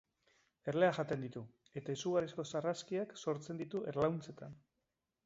Erleak jaten ditu, eta izugarrizko sarraskiak sortzen ditu erlauntzetan.